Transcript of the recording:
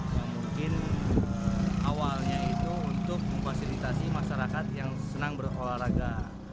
yang mungkin awalnya itu untuk memfasilitasi masyarakat yang senang berolahraga